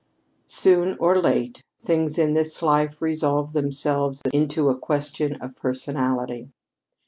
Soon or late things in this life resolve themselves into a question of personality.